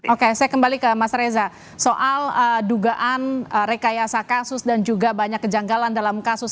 oke saya kembali ke mas reza soal dugaan rekayasa kasus dan juga banyak kejanggalan dalam kasus